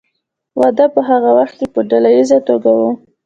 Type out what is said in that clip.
واده په هغه وخت کې په ډله ایزه توګه و.